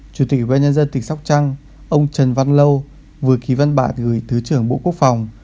chủ tịch ubnd tỉnh sóc trăng ông trần văn lâu vừa ký văn bản gửi thứ trưởng bộ quốc phòng